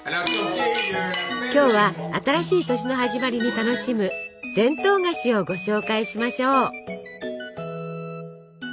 今日は新しい年の始まりに楽しむ伝統菓子をご紹介しましょう。